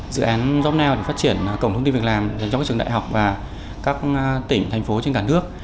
dự án jobnow để phát triển cổng thông tin việc làm dành cho các trường đại học và các tỉnh thành phố trên cả nước